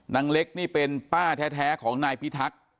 นางเล็กนี่เป็นป้าแท้ของนายพิทักษ์